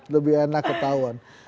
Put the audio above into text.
lebih enak ketahuan